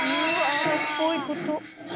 荒っぽいこと。